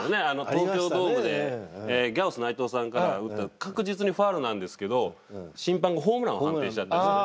東京ドームでギャオス内藤さんから打った確実にファウルなんですけど審判がホームランを判定しちゃったんですね。